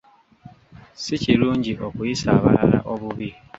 Si kirungi okuyisa abalala obubi.